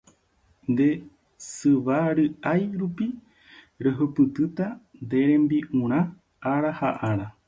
Nde syva ry'ái rupi ruhupytýta ne rembi'urã ára ha ára.